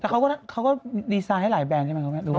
แต่เขาก็ดีไซน์ให้หลายแบรนด์ใช่ไหมเขาไม่รู้